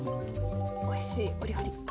おいしいお料理